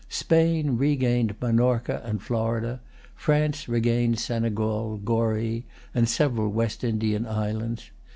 Spain regained Minorca and Florida; France regained Senegal, Goree, and several West Indian Islands.